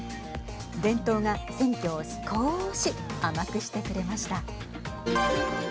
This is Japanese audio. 伝統が選挙を少し甘くしてくれました。